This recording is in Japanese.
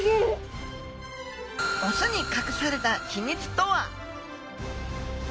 オスにかくされた秘密とは？